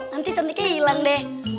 nanti cantiknya hilang deh